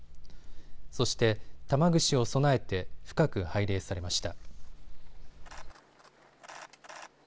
そして玉串を供えて深く拝礼されました。